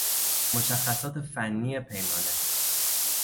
مشخصات فنی پیمانه